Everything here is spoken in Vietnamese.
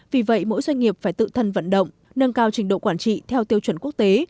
vì vậy mỗi doanh nghiệp phải tự thân vận động nâng cao trình độ quản trị theo tiêu chuẩn quốc tế